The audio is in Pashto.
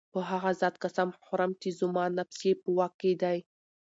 په هغه ذات قسم خورم چي زما نفس ئي په واك كي دی